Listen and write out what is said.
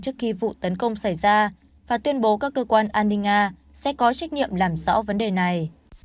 trước khi vụ tấn công xảy ra và tuyên bố các cơ quan an ninh nga sẽ có trách nhiệm làm rõ vấn đề này